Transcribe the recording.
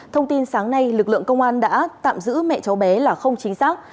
thông tin sáng nay lực lượng công an đã tạm giữ mẹ cháu bé là không chính xác